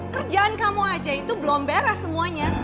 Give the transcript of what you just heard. kerjaan kamu aja itu belum beres semuanya